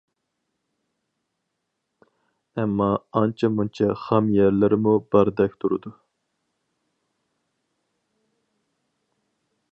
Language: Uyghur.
ئەمما ئانچە-مۇنچە خام يەرلىرىمۇ باردەك تۇرىدۇ.